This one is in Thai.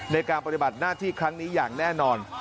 ในการปฏิบัติหน้าที่ครั้งนี้อย่างแน่นอน